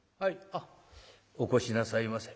あっお越しなさいませ」。